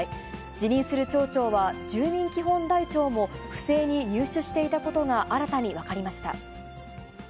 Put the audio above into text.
辞任する町長は、住民基本台帳も不正に入手していたことが新たに分かりました。